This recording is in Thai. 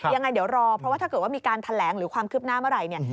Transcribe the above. ยังไงเดี๋ยวรอเพราะว่าถ้าเกิดว่ามีการแถลงหรือความคืบหน้าเมื่อไหร่เนี่ย